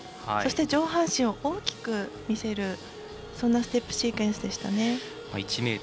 そして、上半身を大きく見せるそんなステップシークエンスでしたね。